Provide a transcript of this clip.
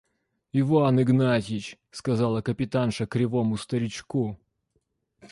– Иван Игнатьич! – сказала капитанша кривому старичку.